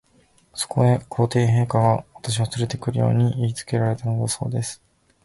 そこへ、皇帝陛下が、私をつれて来るよう言いつけられたのだそうです。